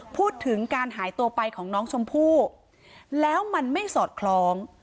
พูดถึงการหายตัวไปของน้องชมพู่แล้วมันไม่สอดคล้อง